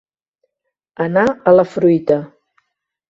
Anar a la fruita.